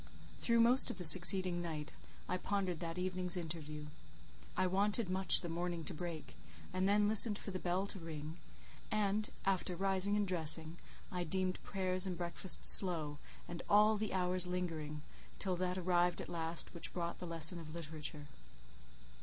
Through most of the succeeding night I pondered that evening's interview. I wanted much the morning to break, and then listened for the bell to ring; and, after rising and dressing, I deemed prayers and breakfast slow, and all the hours lingering, till that arrived at last which brought me the lesson of literature.